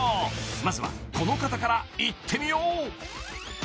［まずはこの方からいってみよう］